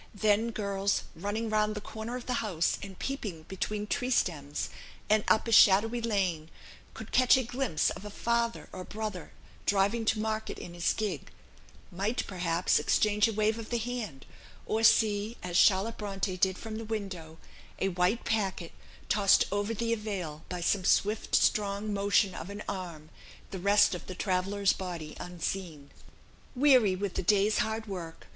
Then girls, running round the corner of the house and peeping between tree stems, and up a shadowy lane, could catch a glimpse of a father or brother driving to market in his gig; might, perhaps, exchange a wave of the hand; or see, as Charlotte Bronte did from the window, a white packet tossed over the avail by come swift strong motion of an arm, the rest of the traveller's body unseen. "Weary with a day's hard work